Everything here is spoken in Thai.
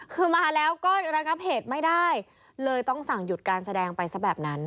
คือมาแล้วก็ระงับเหตุไม่ได้เลยต้องสั่งหยุดการแสดงไปซะแบบนั้น